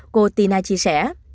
cô tina chia sẻ